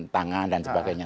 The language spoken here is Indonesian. tangan dan sebagainya